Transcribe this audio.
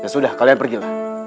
sudah kalian pergilah